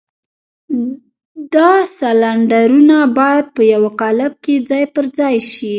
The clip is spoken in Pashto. دا سلنډرونه بايد په يوه قالب کې ځای پر ځای شي.